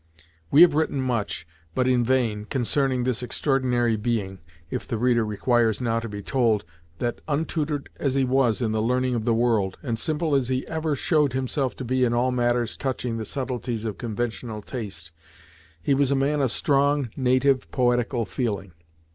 We have written much, but in vain, concerning this extraordinary being, if the reader requires now to be told, that, untutored as he was in the learning of the world, and simple as he ever showed himself to be in all matters touching the subtleties of conventional taste, he was a man of strong, native, poetical feeling.